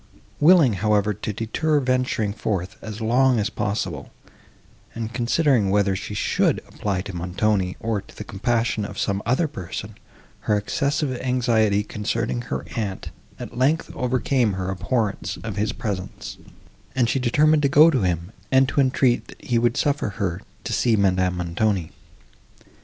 Willing, however, to defer venturing forth, as long as possible, and considering, whether she should apply to Montoni, or to the compassion of some other person, her excessive anxiety concerning her aunt, at length, overcame her abhorrence of his presence, and she determined to go to him, and to entreat, that he would suffer her to see Madame Montoni.